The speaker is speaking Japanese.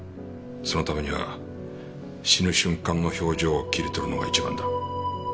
そのためには死ぬ瞬間の表情を切り取るのが一番だ。